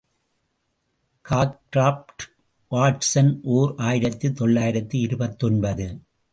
Cockcroft, Watson, ஓர் ஆயிரத்து தொள்ளாயிரத்து இருபத்தொன்பது.